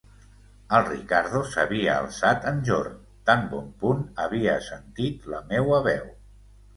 El Riccardo s'havia alçat enjorn, tan bon punt havia sentit la meua veu.